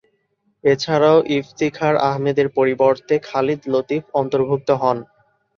এছাড়াও, ইফতিখার আহমেদের পরিবর্তে খালিদ লতিফ অন্তর্ভুক্ত হন।